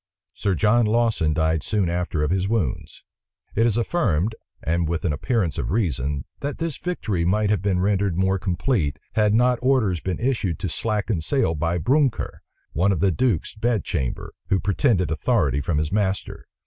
Sir John Lawson died soon after of his wounds. It is affirmed, and with an appearance of reason, that this victory might have been rendered more complete, had not orders been issued to slacken sail by Brounker, one of the duke's bed chamber, who pretended authority from his master.